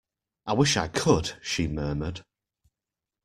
"I wish I could," she murmured.